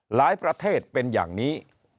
ประเทศเป็นอย่างนี้